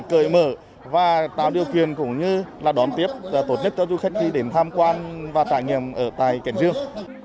cởi mở và tạo điều kiện cũng như là đón tiếp tốt nhất cho du khách khi đến tham quan và trải nghiệm ở tại cảnh dương